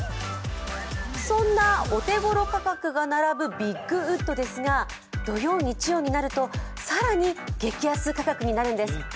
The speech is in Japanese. そんなお手頃価格が並ぶビッグウッドですが土曜、日曜になると更に激安価格になるんです。